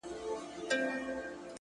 څلوېښتم کال دی _